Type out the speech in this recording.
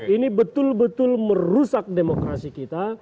ini betul betul merusak demokrasi kita